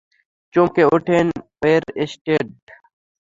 চমকে ওঠেন ওয়েরস্টেড!